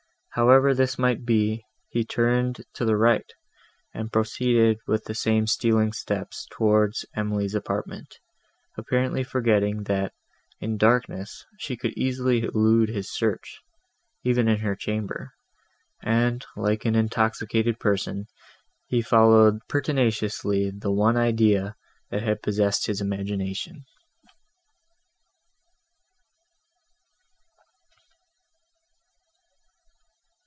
However this might be, he turned to the right, and proceeded, with the same stealing steps, towards Emily's apartment, apparently forgetting, that, in darkness, she could easily elude his search, even in her chamber; and, like an intoxicated person, he followed pertinaciously the one idea, that had possessed his imagination.